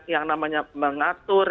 yang namanya mengatur